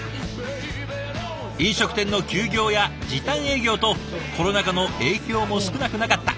飲食店の休業や時短営業とコロナ禍の影響も少なくなかった。